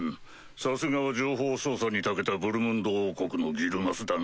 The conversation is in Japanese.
さすがは情報操作に長けたブルムンド王国のギルマスだな。